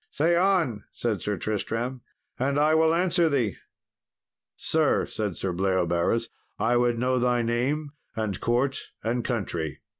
"Say on," said Sir Tristram, "and I will answer thee." "Sir," said Sir Bleoberis, "I would know thy name, and court, and country."